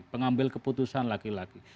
pengambil keputusan laki laki